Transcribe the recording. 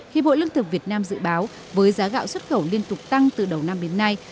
khi bộ lương thực việt nam dự báo với giá gạo xuất khẩu liên tục tăng từ đầu năm đến nay